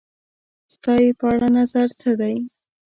ستا یی په اړه نظر څه دی؟